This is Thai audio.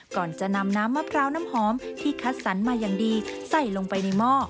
ก่อนจะนำน้ำมะพร้าวน้ำหอมที่คัดสรรมาอย่างดีใส่ลงไปในหม้อ